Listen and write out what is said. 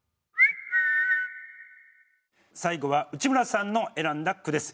最後は内村さんの選んだ句です。